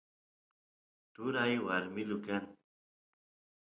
turay warmilu kan